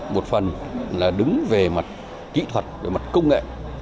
một phần là đứng về mặt kỹ thuật về mặt công nghệ